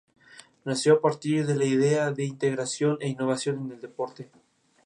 Nació a partir de la idea de integración e innovación en el deporte.